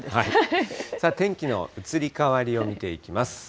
さあ、天気の移り変わりを見ていきます。